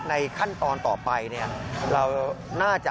ในขั้นตอนต่อไปเราน่าจะ